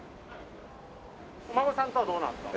お孫さんとはどうなんですか？